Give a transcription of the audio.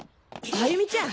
歩美ちゃん！